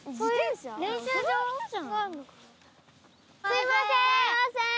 すいません。